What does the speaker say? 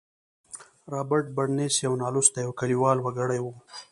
رابرټ برنس یو نالوستی او کلیوال وګړی و